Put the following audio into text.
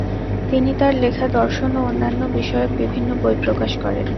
তিনি তার লেখা দর্শন ও অন্যান্য বিষয়ক বিভিন্ন বই প্রকাশ করেন।